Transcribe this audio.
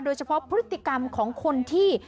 โดยเฉพาะพฤติกรรมของคนที่